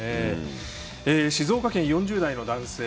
静岡県、４０代の男性。